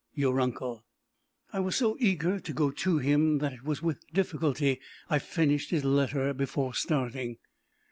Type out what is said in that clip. Your uncle." I was so eager to go to him, that it was with difficulty I finished his letter before starting.